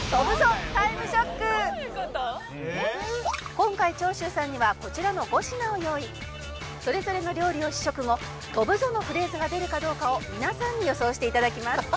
「今回長州さんにはこちらの５品を用意」「それぞれの料理を試食後“飛ぶぞ”のフレーズが出るかどうかを皆さんに予想していただきます」